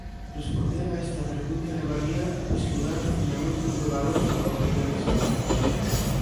Responder a esta pregunta levaría a pescudar os fundamentos de valor no capitalismo.